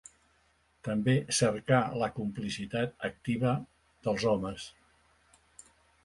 També cercar la complicitat activa dels homes.